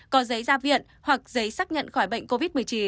có giấy ra viện hoặc giấy xác nhận khỏi bệnh covid một mươi chín